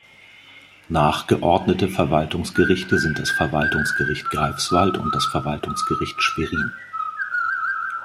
Nachgeordnete Verwaltungsgerichte sind das Verwaltungsgericht Greifswald und das Verwaltungsgericht Schwerin.